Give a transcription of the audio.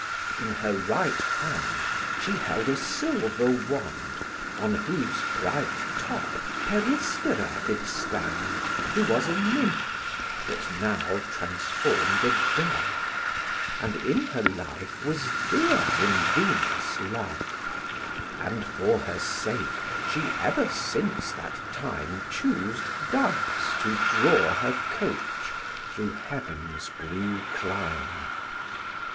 In her right hand she held a silver wand, On whose bright top Peristera did stand, Who was a nymph, but now transform'd a dove, And in her life was dear in Venus' love; And for her sake she ever since that time Choos'd doves to draw her coach through heaven's blue clime.